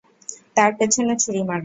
তার পেছনে ছুরি মারলো।